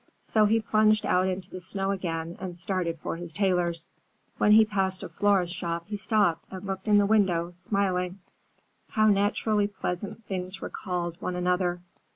So he plunged out into the snow again and started for his tailor's. When he passed a florist's shop he stopped and looked in at the window, smiling; how naturally pleasant things recalled one another.